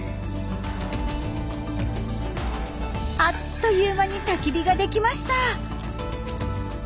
あっという間にたき火が出来ました。